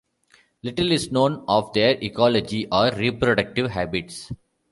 Little is known of their ecology or reproductive habits.